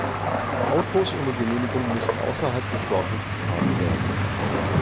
Autos ohne Genehmigung müssen außerhalb des Dorfes geparkt werden.